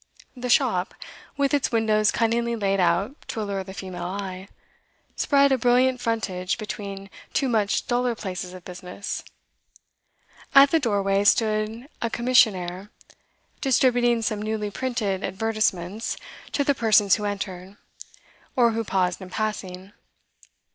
The shop, with its windows cunningly laid out to allure the female eye, spread a brilliant frontage between two much duller places of business; at the doorway stood a commissionaire, distributing some newly printed advertisements to the persons who entered, or who paused in passing.